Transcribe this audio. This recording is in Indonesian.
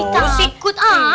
lu sikut ah